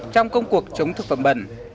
trong công cuộc chống thực phẩm bẩn